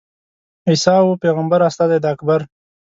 عیسی وو پېغمبر استازی د اکبر.